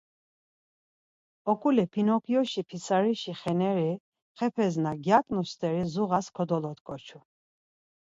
Oǩule Pinokyoşi pitsarişi xeneri xepes na gyaǩnu steri zuğas kodolot̆ǩoçu.